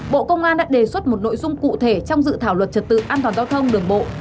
bộ công an đã đề xuất một nội dung cụ thể trong dự thảo luật trật tự an toàn giao thông đường bộ